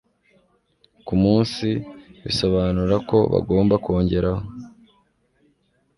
ku munsi bisobanura ko bagomba kongeraho